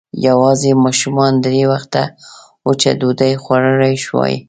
يواځې ماشومانو درې وخته وچه ډوډۍ خوړلی شوای.